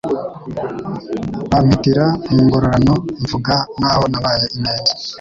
Bampitira mu ngororano, mvuga n'aho nabaye ingenzi